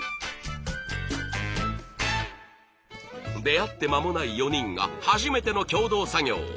出会って間もない４人が初めての共同作業。